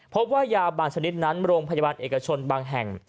พบว่ายาบางชนิดนั้นโรงพยาบาลเอกชนบางแห่ง